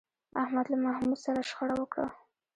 احمد له محمود سره شخړه وکړه